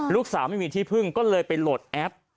ลูกสาวไม่มีที่พึ่งก็เลยไปโหลดแอป